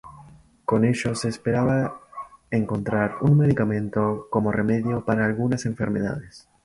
Con ello se esperaba encontrar un medicamento como remedio para algunas enfermedades.